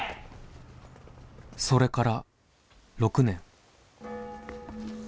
「それから６年」。